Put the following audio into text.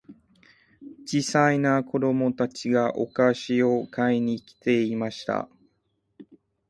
小さな子供たちがお菓子を買いに来ていました。